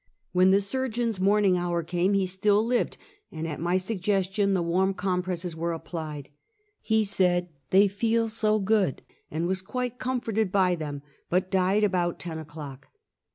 When the surgeon's morning hour came he still lived; and at my suggestion the warm compresses were applied. He said, " they feel so good," and was quite comforted by them, but died about ten o'clock.